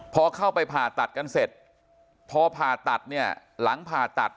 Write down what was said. พอเข้าไปผ่าตัดกันเสร็จพอผ่าตัดเนี่ยหลังผ่าตัด